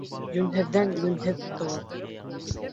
Йүнһеҙҙән йүнһеҙ тыуыр.